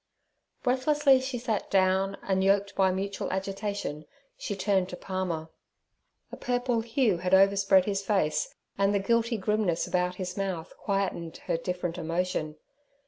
Breathlessly she sat down, and yoked by mutual agitation she turned to Palmer. A purple hue had overspread his face, and the guilty grimness about his mouth quietened her different emotion.